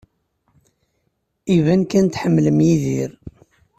Iban kan tḥemmlem Yidir.